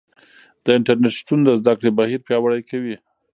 د انټرنیټ شتون د زده کړې بهیر پیاوړی کوي.